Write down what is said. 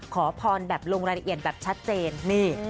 ขอพรแบบลงรายละเอียดแบบชัดเจนนี่